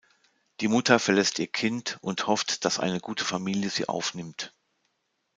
Die Mutter verlässt ihr Kind und hofft, dass eine gute Familie sie aufnimmt.